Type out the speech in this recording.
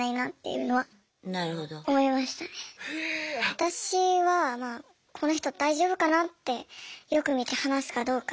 私は「この人大丈夫かな？」ってよく見て話すかどうか判断してますね。